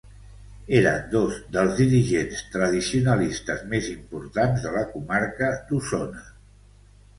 Eren dos dels dirigents tradicionalistes més importants de la comarca d'Osona.